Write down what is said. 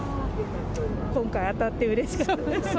今回当たってうれしかった。